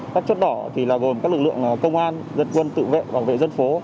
các chốt đỏ thì là gồm các lực lượng công an dân quân tự vệ bảo vệ dân phố